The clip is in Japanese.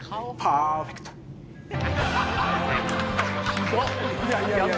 ひどっ！